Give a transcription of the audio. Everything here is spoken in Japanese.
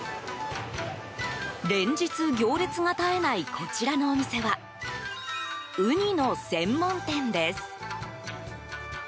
連日、行列が絶えないこちらのお店はウニの専門店です。